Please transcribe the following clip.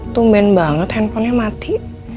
tumben banget handphonenya mati